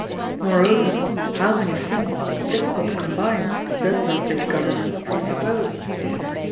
Moreover, how many things difficult to combine does not this government presuppose